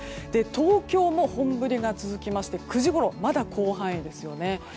東京も本降りが続きまして９時ごろ、まだ広範囲ですよね。